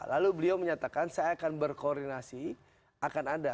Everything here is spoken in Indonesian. lalu beliau menyatakan saya akan berkoordinasi akan ada